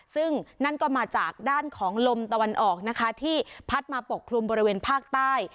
ซึ่งนั่นก็มาจากด้านของลมตะวันออกนะคะที่พัดมาปกคลุมบริเวณภาคใต้